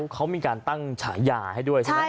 เขามีการตั้งฉายาให้ด้วยใช่ไหม